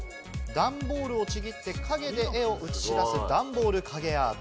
ダンボールをちぎって、影で絵を映し出すダンボール影アート。